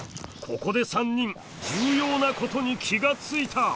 ここで３人重要なことに気が付いた。